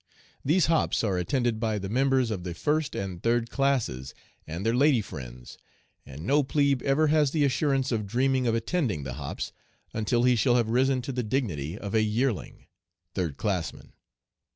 These 'hops' are attended by the members of the first and third classes, and their lady friends, and no 'plebe' ever has the assurance of dreaming of attending the 'hops' until he shall have risen to the dignity of a 'yearling' third classman.